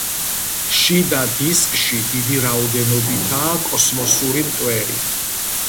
შიდა დისკში დიდი რაოდენობითაა კოსმოსური მტვერი.